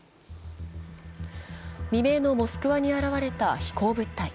未明のモスクワに現れた飛行物体。